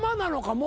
もう。